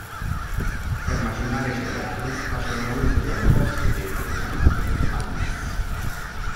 Per macinare i cereali facevano uso di apposite pietre chiamate "planes".